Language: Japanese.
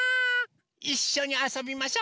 いっしょにあそびましょ。